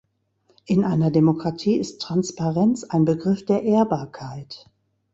In einer Demokratie ist Transparenz ein Begriff der Ehrbarkeit.